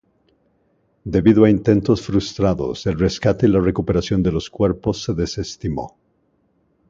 Debido a intentos frustrados, el rescate y la recuperación de los cuerpos se desestimó.